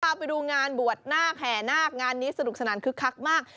พาไปดูงานบวชนาคแห่นาคงานนี้สนุกสนานคึกคักมาก